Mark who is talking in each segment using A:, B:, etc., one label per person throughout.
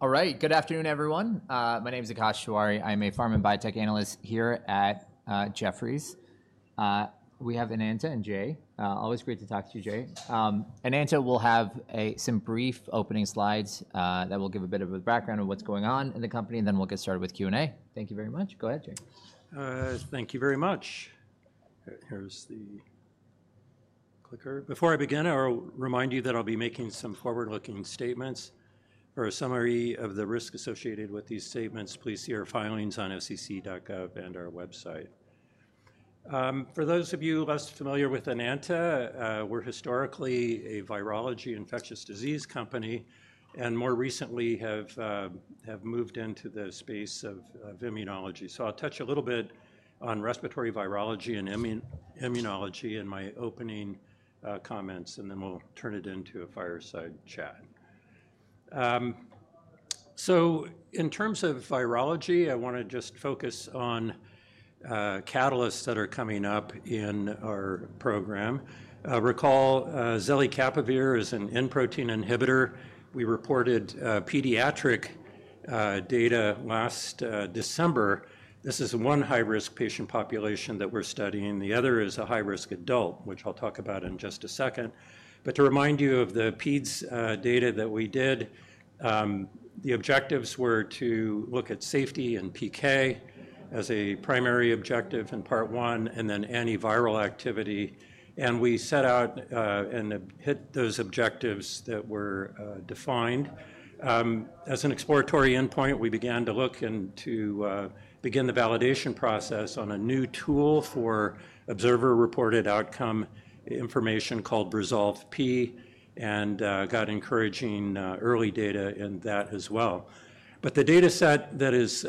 A: All right, good afternoon, everyone. My name is Akash Tewari. I'm a pharma and biotech analyst here at Jefferies. We have Enanta and Jay. Always great to talk to you, Jay. Enanta will have some brief opening slides that will give a bit of a background on what's going on in the company, and then we'll get started with Q&A. Thank you very much. Go ahead, Jay.
B: Thank you very much. Here's the clicker. Before I begin, I'll remind you that I'll be making some forward-looking statements. For a summary of the risk associated with these statements, please see our filings on fcc.gov and our website. For those of you less familiar with Enanta, we're historically a virology infectious disease company, and more recently have moved into the space of immunology. I'll touch a little bit on respiratory virology and immunology in my opening comments, and then we'll turn it into a fireside chat. In terms of virology, I want to just focus on catalysts that are coming up in our program. Recall zelicapavir is an N-protein inhibitor. We reported pediatric data last December. This is one high-risk patient population that we're studying. The other is a high-risk adult, which I'll talk about in just a second. To remind you of the PEDS data that we did, the objectives were to look at safety and PK as a primary objective in part one, and then antiviral activity. We set out and hit those objectives that were defined. As an exploratory endpoint, we began to look and to begin the validation process on a new tool for observer-reported outcome information called RESOLVE-P, and got encouraging early data in that as well. The data set that is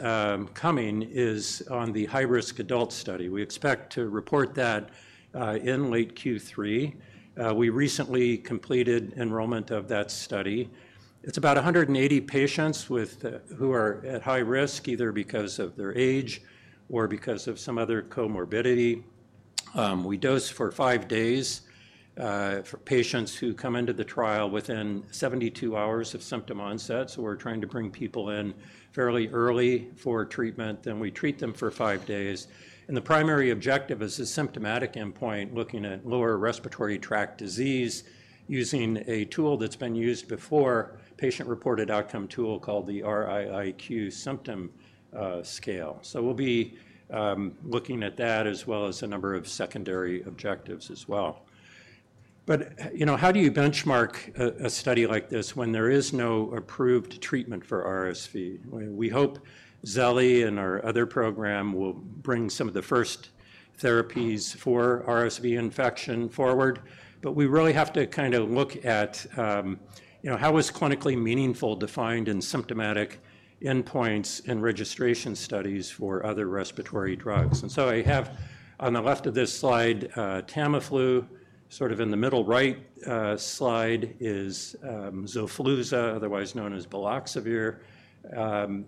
B: coming is on the high-risk adult study. We expect to report that in late Q3. We recently completed enrollment of that study. It is about 180 patients who are at high risk, either because of their age or because of some other comorbidity. We dose for five days for patients who come into the trial within 72 hours of symptom onset. We're trying to bring people in fairly early for treatment, and we treat them for five days. The primary objective is a symptomatic endpoint, looking at lower respiratory tract disease using a tool that's been used before, a patient-reported outcome tool called the RiiQ symptom scale. We'll be looking at that as well as a number of secondary objectives as well. How do you benchmark a study like this when there is no approved treatment for RSV? We hope zeli and our other program will bring some of the first therapies for RSV infection forward. We really have to kind of look at how is clinically meaningful defined in symptomatic endpoints and registration studies for other respiratory drugs. I have on the left of this slide Tamiflu. Sort of in the middle right slide is Xofluza, otherwise known as Baloxavir. On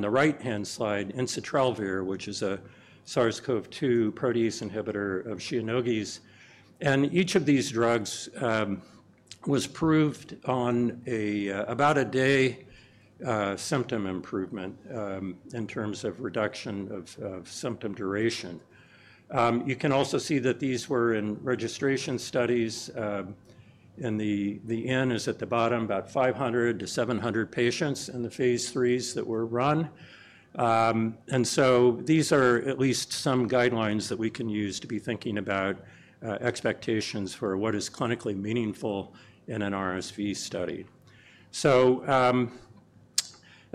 B: the right-hand slide, ensitrelvir, which is a SARS-CoV-2 protease inhibitor of Shionogi's. Each of these drugs was proved on about a day symptom improvement in terms of reduction of symptom duration. You can also see that these were in registration studies. The N is at the bottom, about 500 to 700 patients in the phase IIIs that were run. These are at least some guidelines that we can use to be thinking about expectations for what is clinically meaningful in an RSV study.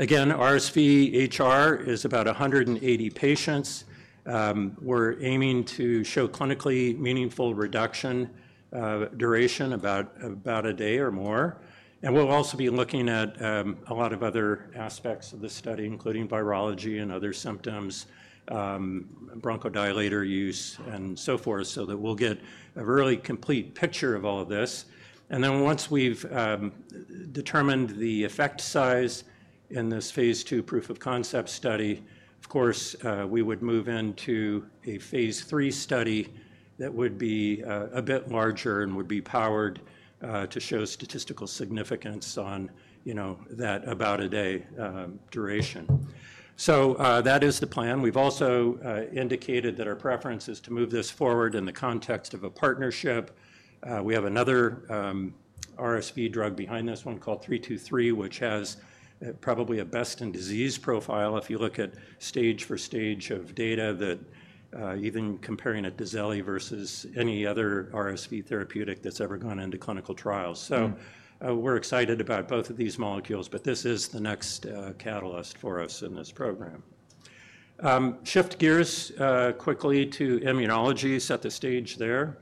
B: RSVHR is about 180 patients. We're aiming to show clinically meaningful reduction duration about a day or more. We'll also be looking at a lot of other aspects of the study, including virology and other symptoms, bronchodilator use, and so forth, so that we'll get a really complete picture of all of this. Once we've determined the effect size in this phase II proof of concept study, of course, we would move into a phase III study that would be a bit larger and would be powered to show statistical significance on that about a day duration. That is the plan. We've also indicated that our preference is to move this forward in the context of a partnership. We have another RSV drug behind this one called 323, which has probably a best-in-disease profile if you look at stage for stage of data, even comparing it to zelicapavir versus any other RSV therapeutic that's ever gone into clinical trials. We're excited about both of these molecules, but this is the next catalyst for us in this program. Shift gears quickly to immunology, set the stage there.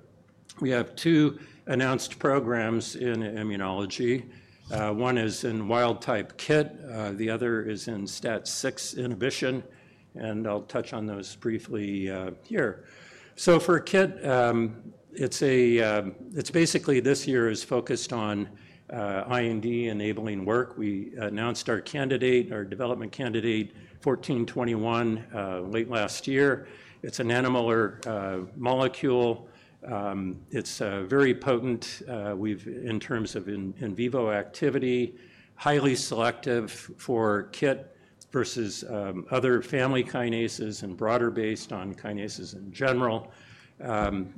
B: We have two announced programs in immunology. One is in wild-type KIT. The other is in STAT6 inhibition. I'll touch on those briefly here. For KIT, basically this year is focused on IND-enabling work. We announced our candidate, our development candidate, 1421 late last year. It's an animal molecule. It's very potent in terms of in vivo activity, highly selective for KIT versus other family kinases and broader-based on kinases in general.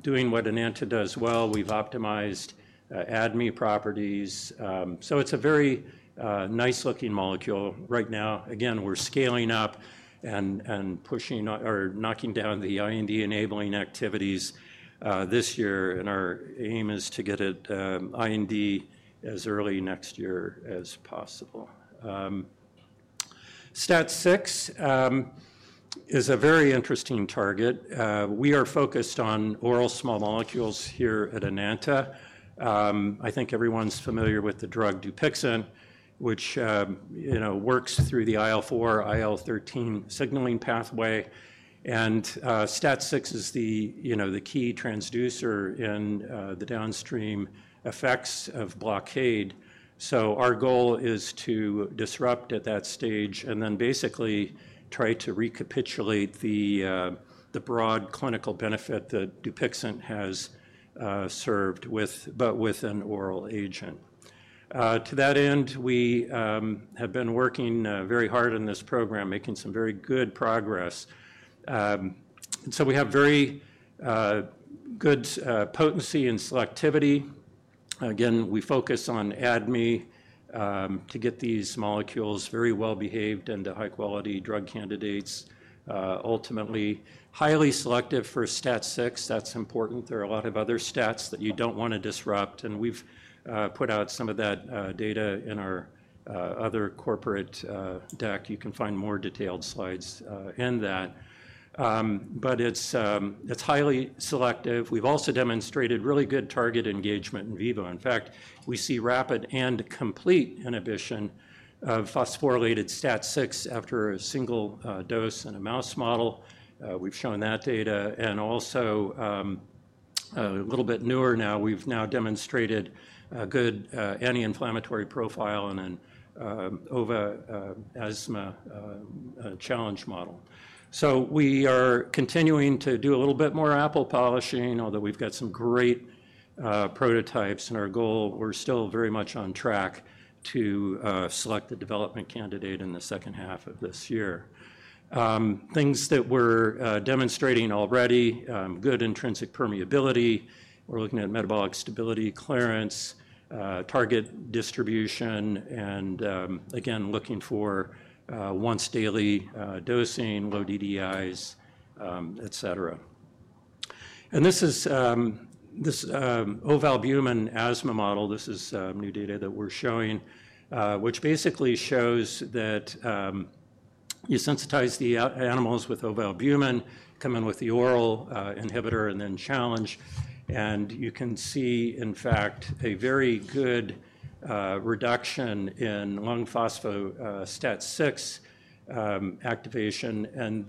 B: Doing what Enanta does well, we've optimized ADME properties. It's a very nice-looking molecule. Right now, again, we're scaling up and pushing or knocking down the IND-enabling activities this year. Our aim is to get it IND as early next year as possible. STAT6 is a very interesting target. We are focused on oral small molecules here at Enanta. I think everyone's familiar with the drug Dupixent, which works through the IL-4/IL-13 signaling pathway. STAT6 is the key transducer in the downstream effects of blockade. Our goal is to disrupt at that stage and then basically try to recapitulate the broad clinical benefit that Dupixent has served with, but with an oral agent. To that end, we have been working very hard in this program, making some very good progress. We have very good potency and selectivity. Again, we focus on ADME to get these molecules very well-behaved into high-quality drug candidates. Ultimately, highly selective for STAT6, that's important. There are a lot of other STATs that you do not want to disrupt. We have put out some of that data in our other corporate deck. You can find more detailed slides in that. It is highly selective. We have also demonstrated really good target engagement in vivo. In fact, we see rapid and complete inhibition of phosphorylated STAT6 after a single dose in a mouse model. We've shown that data. Also, a little bit newer now, we've now demonstrated a good anti-inflammatory profile in an ovalbumin asthma challenge model. We are continuing to do a little bit more apple polishing, although we've got some great prototypes. Our goal, we're still very much on track to select a development candidate in the second half of this year. Things that we're demonstrating already, good intrinsic permeability. We're looking at metabolic stability, clearance, target distribution, and again, looking for once-daily dosing, low DDIs, et cetera. This is this ovalbumin asthma model. This is new data that we're showing, which basically shows that you sensitize the animals with ovalbumin, come in with the oral inhibitor, and then challenge. You can see, in fact, a very good reduction in lung phospho-STAT6 activation.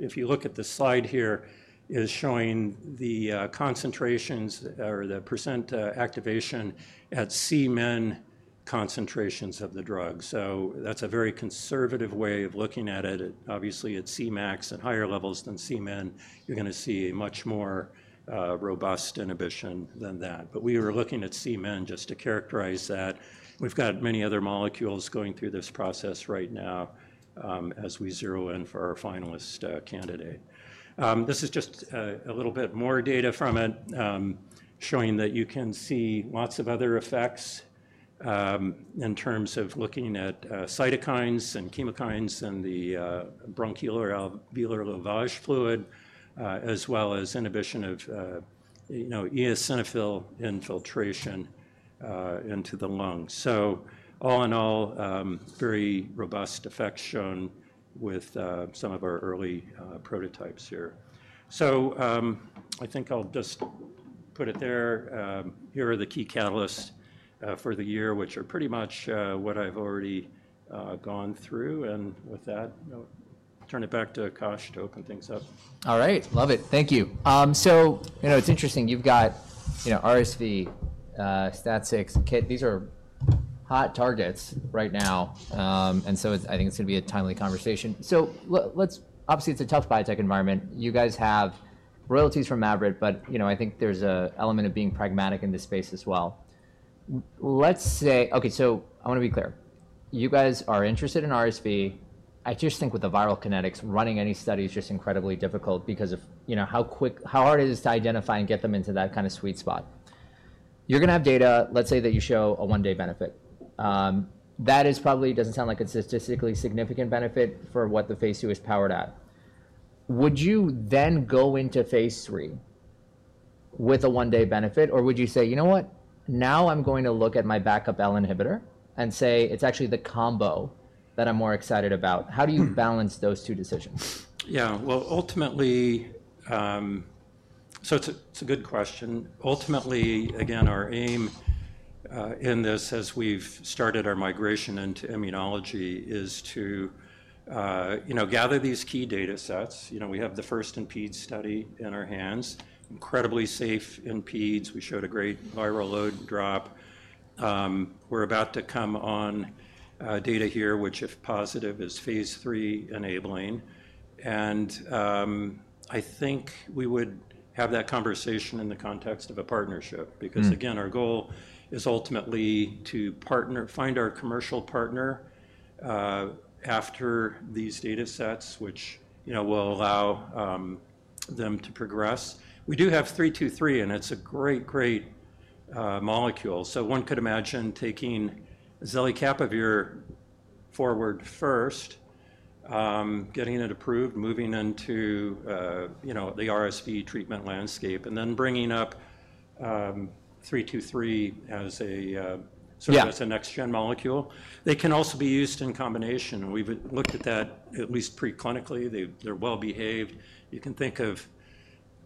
B: If you look at the slide here, it is showing the concentrations or the percent activation at Cmin concentrations of the drug. That is a very conservative way of looking at it. Obviously, at Cmax and higher levels than Cmin, you are going to see a much more robust inhibition than that. We were looking at Cmin just to characterize that. We have got many other molecules going through this process right now as we zero in for our finalist candidate. This is just a little bit more data from it, showing that you can see lots of other effects in terms of looking at cytokines and chemokines in the bronchoalveolar lavage fluid, as well as inhibition of eosinophil infiltration into the lungs. All in all, very robust effects shown with some of our early prototypes here. I think I'll just put it there. Here are the key catalysts for the year, which are pretty much what I've already gone through. With that, turn it back to Akash to open things up.
A: All right. Love it. Thank you. It's interesting. You've got RSV, STAT6, KIT. These are hot targets right now. I think it's going to be a timely conversation. Obviously, it's a tough biotech environment. You guys have royalties from Mavyret, but I think there's an element of being pragmatic in this space as well. I want to be clear. You guys are interested in RSV. I just think with the viral kinetics, running any study is just incredibly difficult because of how hard it is to identify and get them into that kind of sweet spot. You're going to have data, let's say that you show a one-day benefit. That probably doesn't sound like a statistically significant benefit for what the phase two is powered at. Would you then go into phase III with a one-day benefit, or would you say, you know what, now I'm going to look at my backup L inhibitor and say it's actually the combo that I'm more excited about? How do you balance those two decisions?
B: Yeah. Ultimately, it is a good question. Ultimately, again, our aim in this, as we've started our migration into immunology, is to gather these key data sets. We have the first NPED study in our hands, incredibly safe NPEDs. We showed a great viral load drop. We're about to come on data here, which, if positive, is phase III enabling. I think we would have that conversation in the context of a partnership because, again, our goal is ultimately to find our commercial partner after these data sets, which will allow them to progress. We do have 323, and it's a great, great molecule. One could imagine taking zelicapavir forward first, getting it approved, moving into the RSV treatment landscape, and then bringing up 323 as a sort of next-gen molecule. They can also be used in combination. We've looked at that at least preclinically. They're well-behaved. You can think of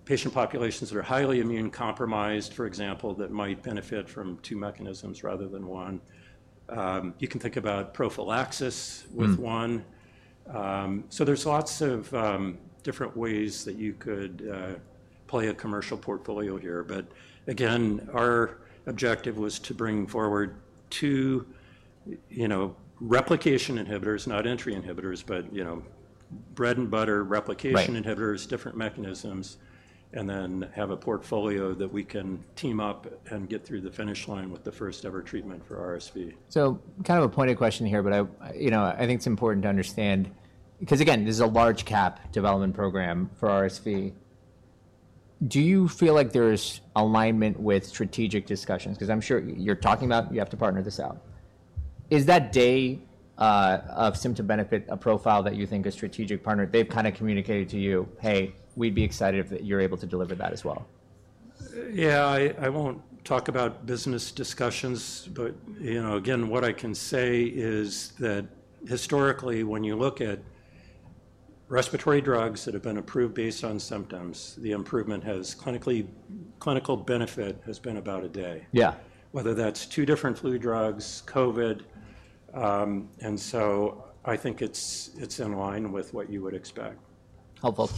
B: patient populations that are highly immune compromised, for example, that might benefit from two mechanisms rather than one. You can think about prophylaxis with one. There are lots of different ways that you could play a commercial portfolio here. Again, our objective was to bring forward two replication inhibitors, not entry inhibitors, but bread-and-butter replication inhibitors, different mechanisms, and then have a portfolio that we can team up and get through the finish line with the first-ever treatment for RSV.
A: Kind of a pointed question here, but I think it's important to understand because, again, this is a large-cap development program for RSV. Do you feel like there's alignment with strategic discussions? Because I'm sure you're talking about you have to partner this out. Is that day of symptom benefit a profile that you think a strategic partner, they've kind of communicated to you, "Hey, we'd be excited if you're able to deliver that as well?
B: Yeah. I won't talk about business discussions, but again, what I can say is that historically, when you look at respiratory drugs that have been approved based on symptoms, the improvement as clinical benefit has been about a day. Yeah, whether that's two different flu drugs, COVID. I think it's in line with what you would expect.
A: Helpful.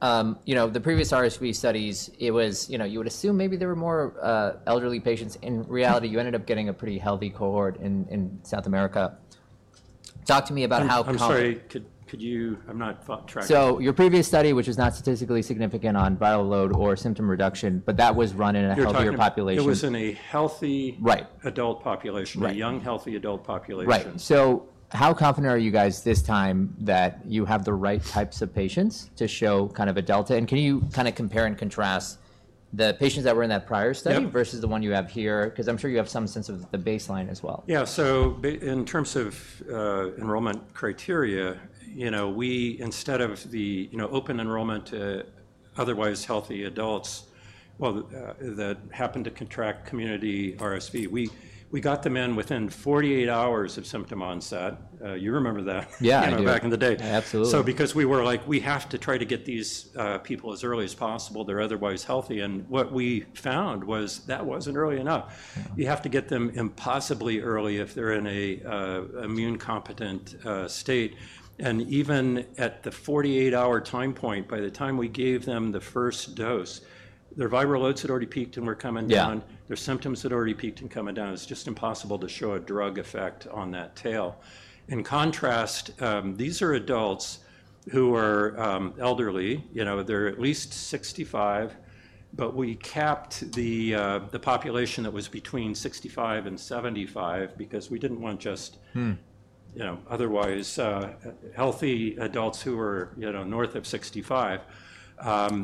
A: The previous RSV studies, you would assume maybe there were more elderly patients. In reality, you ended up getting a pretty healthy cohort in South America. Talk to me about how.
B: I'm sorry. I'm not tracking.
A: Your previous study, which is not statistically significant on viral load or symptom reduction, but that was run in a healthier population.
B: It was in a healthy adult population, a young healthy adult population.
A: Right. How confident are you guys this time that you have the right types of patients to show kind of a delta? Can you kind of compare and contrast the patients that were in that prior study versus the one you have here? I am sure you have some sense of the baseline as well.
B: Yeah. In terms of enrollment criteria, instead of the open enrollment to otherwise healthy adults that happen to contract community RSV, we got them in within 48 hours of symptom onset. You remember that back in the day.
A: Yeah, absolutely.
B: Because we were like, "We have to try to get these people as early as possible. They're otherwise healthy." What we found was that wasn't early enough. You have to get them impossibly early if they're in an immune-competent state. Even at the 48-hour time point, by the time we gave them the first dose, their viral loads had already peaked and were coming down. Their symptoms had already peaked and were coming down. It's just impossible to show a drug effect on that tail. In contrast, these are adults who are elderly. They're at least 65, but we capped the population that was between 65 and 75 because we didn't want just otherwise healthy adults who were north of 65.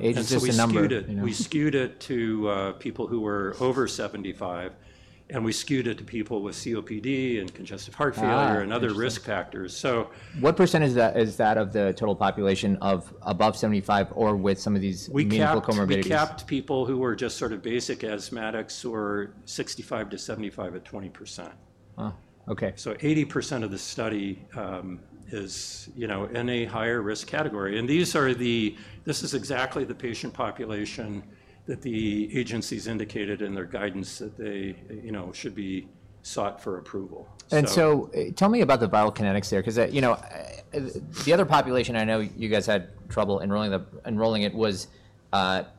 A: Age discriminatory.
B: We skewed it to people who were over 75, and we skewed it to people with COPD and congestive heart failure and other risk factors.
A: What percentage is that of the total population of above 75 or with some of these meaningful comorbidities?
B: We capped people who were just sort of basic asthmatics who were 65 to 75 at 20%.
A: Wow. Okay.
B: 80% of the study is in a higher risk category. This is exactly the patient population that the agencies indicated in their guidance that they should be sought for approval.
A: Tell me about the viral kinetics there because the other population I know you guys had trouble enrolling was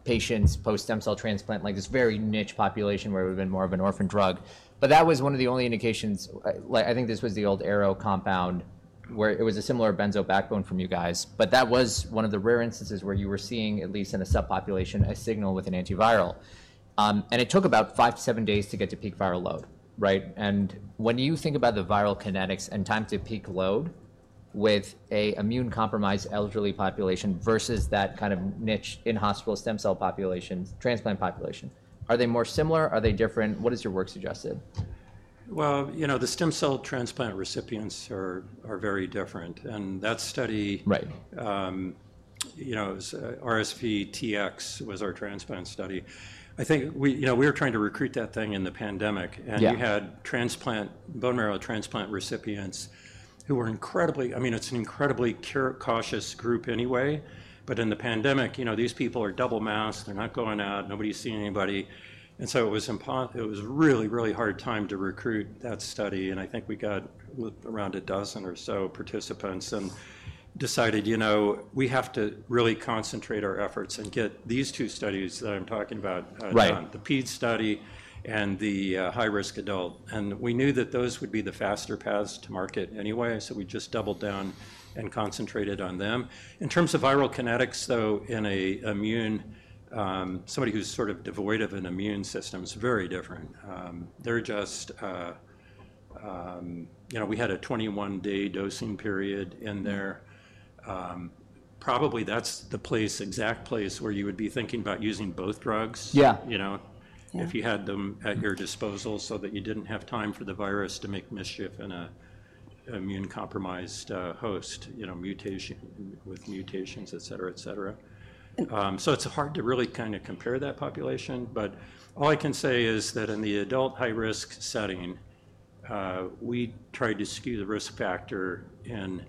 A: patients post-stem cell transplant, like this very niche population where it would have been more of an orphan drug. That was one of the only indications. I think this was the old arrow compound where it was a similar benzo backbone from you guys, but that was one of the rare instances where you were seeing, at least in a subpopulation, a signal with an antiviral. It took about five to seven days to get to peak viral load, right? When you think about the viral kinetics and time to peak load with an immune-compromised elderly population versus that kind of niche in-hospital stem cell transplant population, are they more similar? Are they different? What has your work suggested?
B: The stem cell transplant recipients are very different. That study, RSVTx, was our transplant study. I think we were trying to recruit that thing in the pandemic. We had bone marrow transplant recipients who were incredibly—I mean, it's an incredibly cautious group anyway. In the pandemic, these people are double-masked. They're not going out. Nobody's seeing anybody. It was a really, really hard time to recruit that study. I think we got around a dozen or so participants and decided we have to really concentrate our efforts and get these two studies that I'm talking about, the PEDs study and the high-risk adult. We knew that those would be the faster paths to market anyway. We just doubled down and concentrated on them. In terms of viral kinetics, though, in somebody who's sort of devoid of an immune system, it's very different. We had a 21-day dosing period in there. Probably that's the exact place where you would be thinking about using both drugs if you had them at your disposal so that you didn't have time for the virus to make mischief in an immune-compromised host with mutations, et cetera, et cetera. It's hard to really kind of compare that population. All I can say is that in the adult high-risk setting, we tried to skew the risk factor in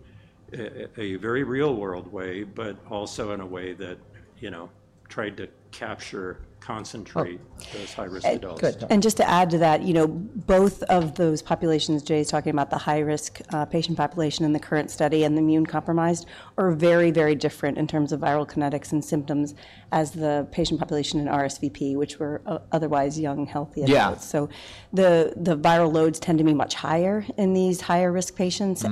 B: a very real-world way, but also in a way that tried to capture, concentrate those high-risk adults.
A: All right. Good.
C: Just to add to that, both of those populations, Jay is talking about the high-risk patient population in the current study and the immune-compromised, are very, very different in terms of viral kinetics and symptoms as the patient population in RSVP, which were otherwise young, healthy adults. The viral loads tend to be much higher in these higher-risk patients.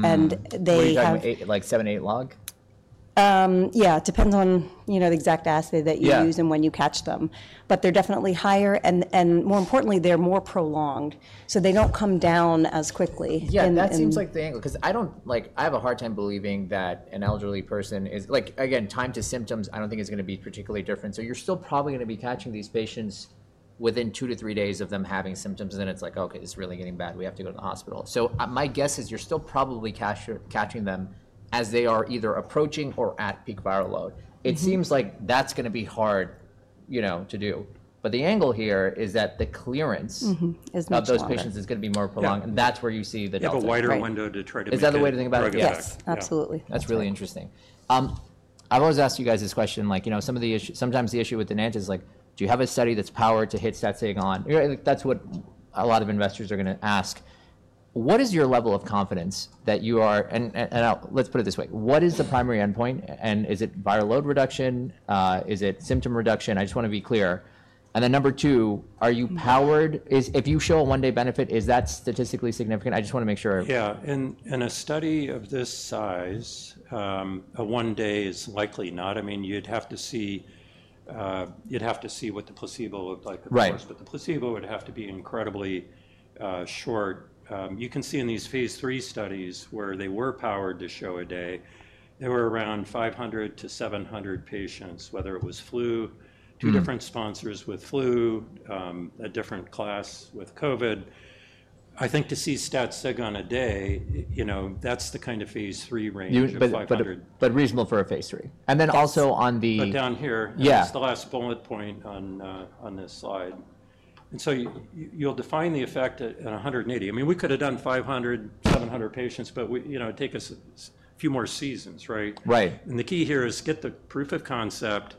C: They have.
A: Like seven to eight log?
C: Yeah. It depends on the exact assay that you use and when you catch them. They are definitely higher. More importantly, they are more prolonged. They do not come down as quickly.
A: Yeah. That seems like the angle because I have a hard time believing that an elderly person is, again, time to symptoms, I don't think is going to be particularly different. You're still probably going to be catching these patients within two to three days of them having symptoms. Then it's like, "Okay, this is really getting bad. We have to go to the hospital." My guess is you're still probably catching them as they are either approaching or at peak viral load. It seems like that's going to be hard to do. The angle here is that the clearance of those patients is going to be more prolonged. That's where you see the difference.
B: You have a wider window to try to.
A: Is that the way to think about it?
C: Yes. Absolutely.
A: That's really interesting. I've always asked you guys this question. Sometimes the issue with Enanta is like, "Do you have a study that's powered to hit that signal on?" That's what a lot of investors are going to ask. What is your level of confidence that you are--and let's put it this way--what is the primary endpoint? Is it viral load reduction? Is it symptom reduction? I just want to be clear. Number two, are you powered? If you show a one-day benefit, is that statistically significant? I just want to make sure.
B: Yeah. In a study of this size, a one-day is likely not. I mean, you'd have to see—you'd have to see what the placebo looked like at first. The placebo would have to be incredibly short. You can see in these phase III studies where they were powered to show a day, there were around 500 to 700 patients, whether it was flu, two different sponsors with flu, a different class with COVID. I think to see stat sig on a day, that's the kind of phase III range.
A: Reasonable for a phase III. And then also on the.
B: Down here, that's the last bullet point on this slide. And so you'll define the effect at 180. I mean, we could have done 500, 700 patients, but it would take us a few more seasons, right?
A: Right.
B: The key here is get the proof of concept,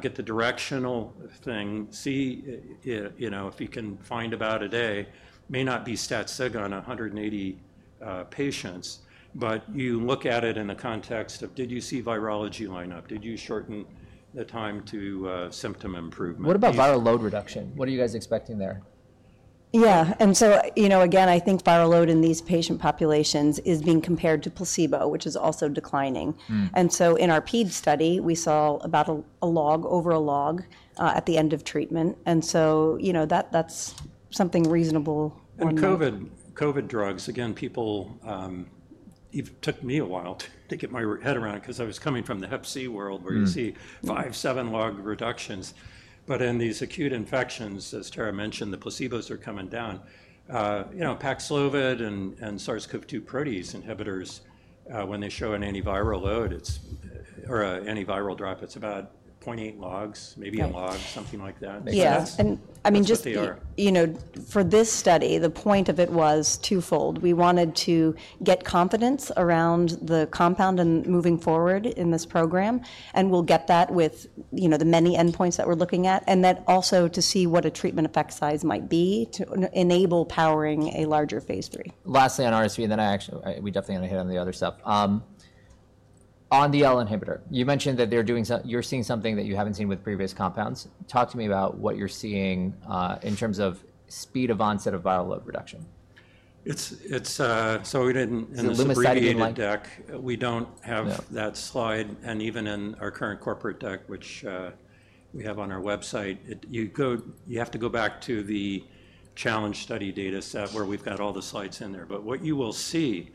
B: get the directional thing, see if you can find about a day. It may not be stat sig on 180 patients, but you look at it in the context of, did you see virology line up? Did you shorten the time to symptom improvement?
A: What about viral load reduction? What are you guys expecting there?
C: Yeah. I think viral load in these patient populations is being compared to placebo, which is also declining. In our PEDs study, we saw about a log, over a log at the end of treatment. That's something reasonable.
B: COVID drugs, again, people took me a while to get my head around because I was coming from the hep C world where you see five, seven log reductions. In these acute infections, as Tara mentioned, the placebos are coming down. Paxlovid and SARS-CoV-2 protease inhibitors, when they show an antiviral load or an antiviral drop, it's about 0.8 logs, maybe a log, something like that.
C: Yeah. I mean, just for this study, the point of it was twofold. We wanted to get confidence around the compound and moving forward in this program. We'll get that with the many endpoints that we're looking at and then also to see what a treatment effect size might be to enable powering a larger phase three.
A: Lastly, on RSV, and then we definitely want to hit on the other stuff. On the L inhibitor, you mentioned that you're seeing something that you haven't seen with previous compounds. Talk to me about what you're seeing in terms of speed of onset of viral load reduction.
B: In the strategy deck, we do not have that slide. Even in our current corporate deck, which we have on our website, you have to go back to the challenge study data set where we have all the slides in there. What you will see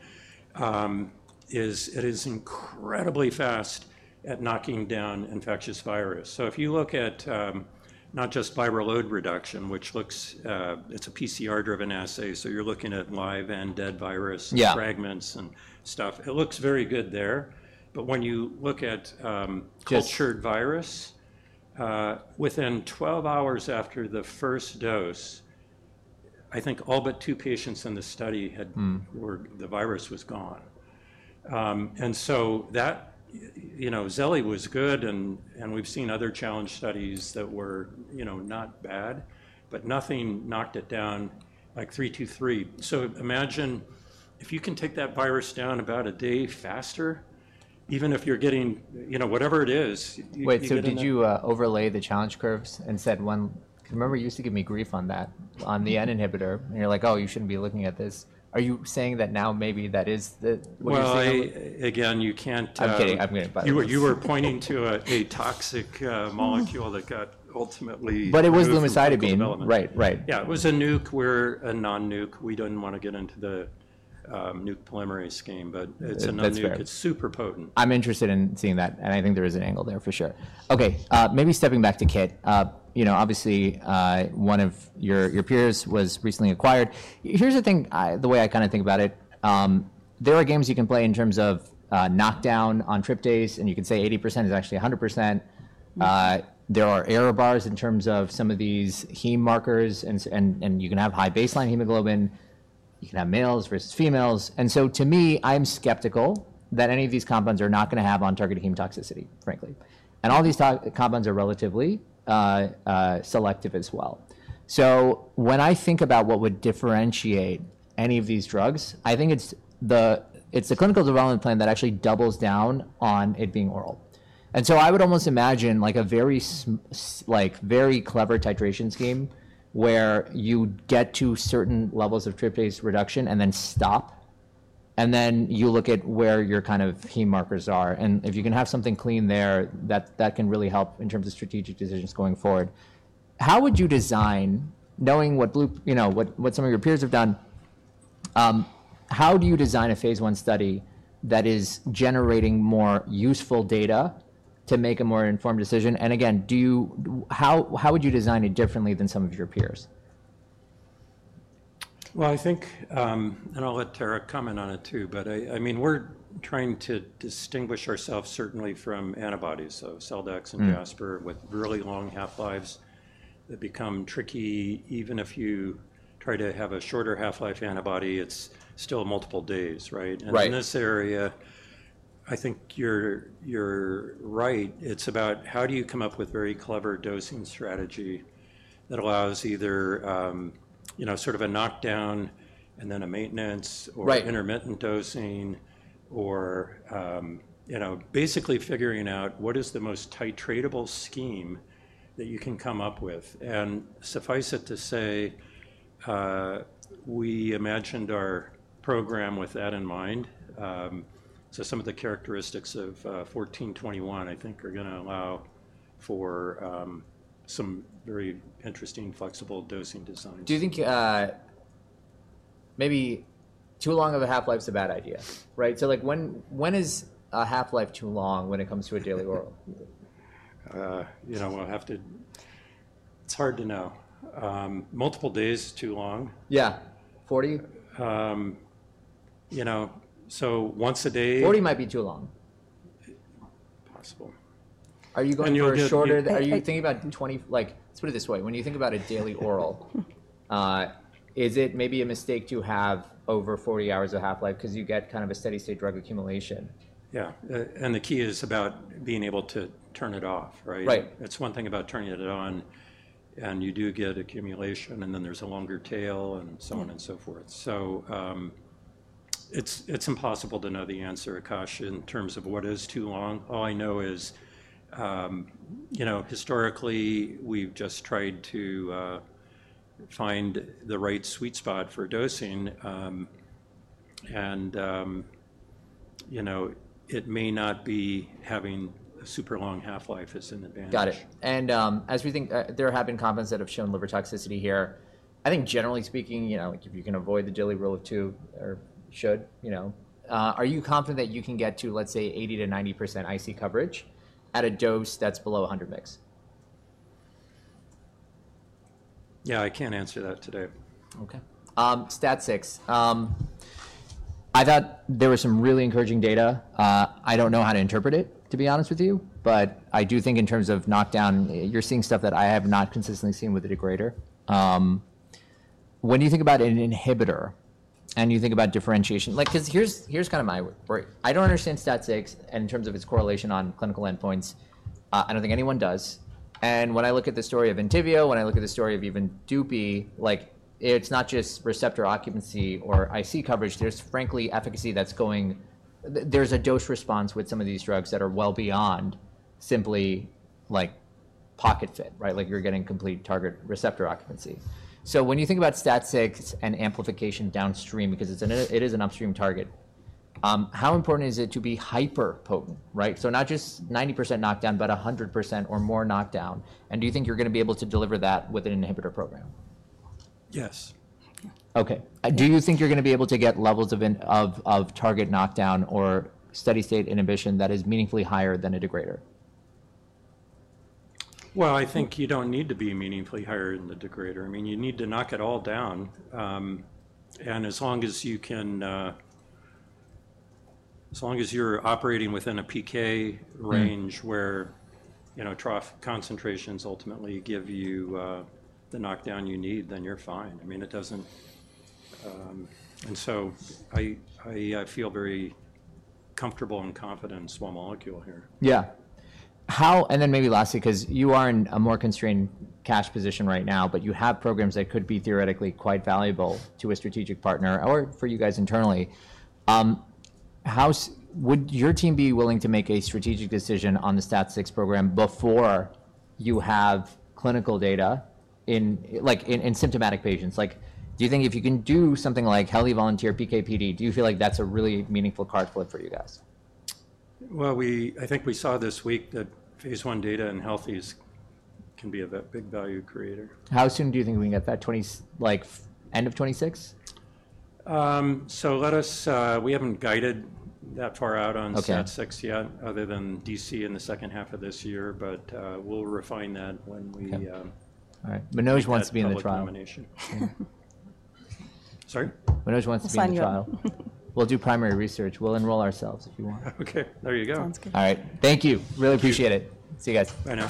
B: is it is incredibly fast at knocking down infectious virus. If you look at not just viral load reduction, which is a PCR-driven assay, you are looking at live and dead virus fragments and stuff. It looks very good there. When you look at cultured virus, within 12 hours after the first dose, I think all but two patients in the study had where the virus was gone. zeli was good. We have seen other challenge studies that were not bad, but nothing knocked it down like 323. Imagine if you can take that virus down about a day faster, even if you're getting whatever it is.
A: Wait. So did you overlay the challenge curves and said one? Because I remember you used to give me grief on that, on the N inhibitor. And you're like, "Oh, you shouldn't be looking at this." Are you saying that now maybe that is what you're saying?
B: Again, you can't.
A: I'm kidding. I'm kidding.
B: You were pointing to a toxic molecule that got ultimately.
A: It was lumicitabine. Right, right.
B: Yeah. It was a nuke or a non-nuke. We didn't want to get into the nuke polymerase game, but it's a non-nuke. It's super potent.
A: I'm interested in seeing that. I think there is an angle there for sure. Okay. Maybe stepping back to KIT. Obviously, one of your peers was recently acquired. Here's the thing, the way I kind of think about it. There are games you can play in terms of knockdown on trip days. You can say 80% is actually 100%. There are error bars in terms of some of these heme markers. You can have high baseline hemoglobin. You can have males versus females. To me, I'm skeptical that any of these compounds are not going to have on-target heme toxicity, frankly. All these compounds are relatively selective as well. When I think about what would differentiate any of these drugs, I think it's the clinical development plan that actually doubles down on it being oral. I would almost imagine a very clever titration scheme where you get to certain levels of trip days reduction and then stop. You look at where your kind of heme markers are. If you can have something clean there, that can really help in terms of strategic decisions going forward. How would you design, knowing what some of your peers have done, how do you design a phase one study that is generating more useful data to make a more informed decision? Again, how would you design it differently than some of your peers?
B: I think, and I'll let Tara comment on it too, but I mean, we're trying to distinguish ourselves certainly from antibodies of Celldex and Jasper with really long half-lives that become tricky even if you try to have a shorter half-life antibody. It's still multiple days, right? In this area, I think you're right. It's about how do you come up with a very clever dosing strategy that allows either sort of a knockdown and then a maintenance or intermittent dosing or basically figuring out what is the most titratable scheme that you can come up with. Suffice it to say, we imagined our program with that in mind. Some of the characteristics of 1421, I think, are going to allow for some very interesting flexible dosing designs.
A: Do you think maybe too long of a half-life is a bad idea, right? When is a half-life too long when it comes to a daily oral?
B: You know, we'll have to--it's hard to know. Multiple days is too long?
A: Yeah. 40?
B: Once a day.
A: Forty might be too long.
B: Possible.
A: Are you going for shorter? Are you thinking about 20? Put it this way. When you think about a daily oral, is it maybe a mistake to have over 40 hours of half-life because you get kind of a steady-state drug accumulation?
B: Yeah. The key is about being able to turn it off, right?
A: Right.
B: It's one thing about turning it on, and you do get accumulation, and then there's a longer tail and so on and so forth. It's impossible to know the answer to Akash in terms of what is too long. All I know is historically, we've just tried to find the right sweet spot for dosing. It may not be having a super long half-life is an advantage.
A: Got it. As we think, there have been compounds that have shown liver toxicity here. I think generally speaking, if you can avoid the daily rule of two or should, are you confident that you can get to, let's say, 80%-90% IC coverage at a dose that's below 100 mgs?
B: Yeah. I can't answer that today.
A: Okay. STAT6. I thought there was some really encouraging data. I do not know how to interpret it, to be honest with you. But I do think in terms of knockdown, you are seeing stuff that I have not consistently seen with a degrader. When you think about an inhibitor and you think about differentiation, because here is kind of my work, I do not understand STAT6 in terms of its correlation on clinical endpoints. I do not think anyone does. And when I look at the story of Entyvio, when I look at the story of even Dupy, it is not just receptor occupancy or IC coverage. There is, frankly, efficacy that is going—there is a dose response with some of these drugs that are well beyond simply pocket fit, right? You are getting complete target receptor occupancy. When you think about STAT6 and amplification downstream, because it is an upstream target, how important is it to be hyper potent, right? Not just 90% knockdown, but 100% or more knockdown. Do you think you're going to be able to deliver that with an inhibitor program?
B: Yes.
A: Okay. Do you think you're going to be able to get levels of target knockdown or steady-state inhibition that is meaningfully higher than a degrader?
B: I think you don't need to be meaningfully higher than the degrader. I mean, you need to knock it all down. And as long as you can—as long as you're operating within a PK range where trough concentrations ultimately give you the knockdown you need, then you're fine. I mean, it doesn't—and so I feel very comfortable and confident in small molecule here.
A: Yeah. And then maybe lastly, because you are in a more constrained cash position right now, but you have programs that could be theoretically quite valuable to a strategic partner or for you guys internally. Would your team be willing to make a strategic decision on the STAT6 program before you have clinical data in symptomatic patients? Do you think if you can do something like healthy volunteer PK, PD, do you feel like that's a really meaningful card flip for you guys?
B: I think we saw this week that phase one data in healthies can be a big value creator.
A: How soon do you think we can get that? End of 2026?
B: We haven't guided that far out on STAT6 yet other than DC in the second half of this year. We'll refine that when we.
A: All right. Manoush wants to be in the trial.
B: Sorry?
A: Manoush wants to be in the trial. We'll do primary research. We'll enroll ourselves if you want.
B: Okay. There you go.
A: All right. Thank you. Really appreciate it. See you guys.
B: Bye now.